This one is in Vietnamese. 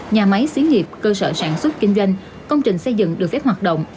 nhà máy xí nghiệp cơ sở sản xuất kinh doanh công trình xây dựng được phép hoạt động